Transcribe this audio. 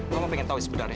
mama pengen tahu sebenarnya